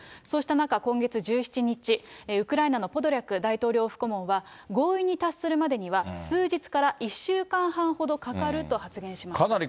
そうした中、今月１７日、ウクライナのポドリャク大統領府顧問は、合意に達するまでには数日から１週間半ほどかかると発言しました。